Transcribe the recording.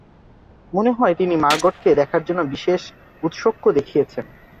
মনে হয়, তিনি মার্গটকে দেখার জন্য বিশেষ ঔৎসুক্য দেখিয়েছেন।